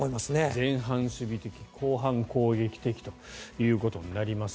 前半、守備的後半、攻撃的ということになります。